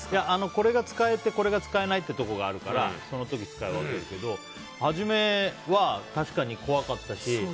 これが使えてこれが使えないってところがあるからその時、使い分けるけど初めは確かに怖かったし。